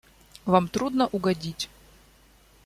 Вам трудно угодить.